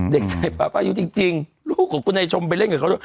เด็กสายป้าปายุจริงลูกของกุนัยชมไปเล่นกับเขา